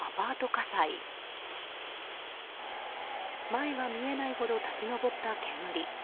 前が見えないほど立ち上った煙。